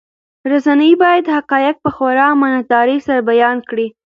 رسنۍ باید حقایق په خورا امانتدارۍ سره بیان کړي.